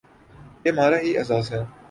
یہ ہمارا ہی اعزاز ہے۔